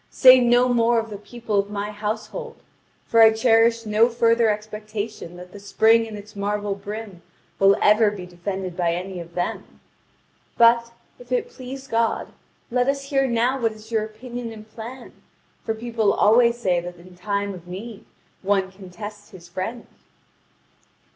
Say no more of the people of my household; for I cherish no further expectation that the spring and its marble brim will ever be defended by any of them. But, if it please God, let us hear now what is your opinion and plan; for people always say that in time of need one can test his friend."